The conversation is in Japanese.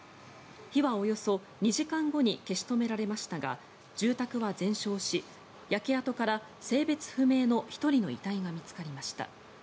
火はおよそ２時間後に消し止められましたが住宅は全焼し、焼け跡から性別不明の１人の遺体が見つかりました。